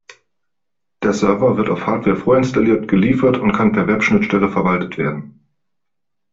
Der Server wird auf Hardware vorinstalliert geliefert und kann per Webschnittstelle verwaltet werden.